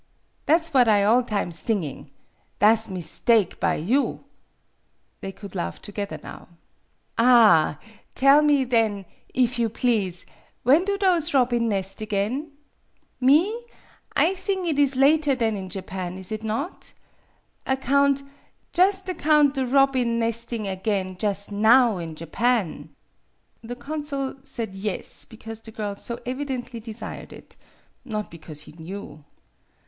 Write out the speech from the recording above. Tha' 's what I all times thinging. Tha' 's mis take, by you ?" They could laugh together now. " Ah ! Tell me, then, if you please, when do those robin nest again ? Me ? .1 thing it is later than in Japan, is it not ? Account jus' account the robin nesting again jus' now in Japan." The consul said yes because the girl so evidently desired it not because he knew.